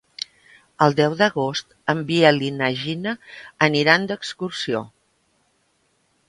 El deu d'agost en Biel i na Gina aniran d'excursió.